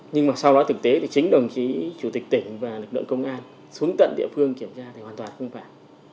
nhưng mà sau đó thực tế thì chính đồng chí chủ tịch tỉnh và lực lượng công an xuống tận địa phương kiểm tra thì hoàn toàn không phải